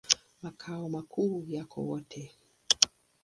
Makao makuu yako Wote.